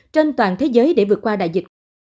trên toàn thế giới để vượt qua đại dịch